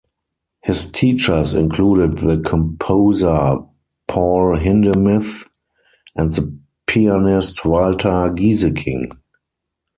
His teachers included the composer Paul Hindemith and the pianist Walter Gieseking.